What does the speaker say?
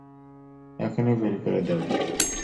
এখনই বের করে দেবে।